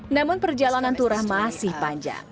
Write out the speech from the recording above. namun perjalanan turah masih panjang